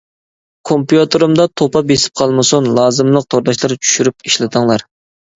كومپيۇتېرىمدا توپا بېسىپ قالمىسۇن، لازىملىق تورداشلار چۈشۈرۈپ ئىشلىتىڭلار.